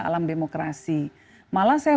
alam demokrasi malah saya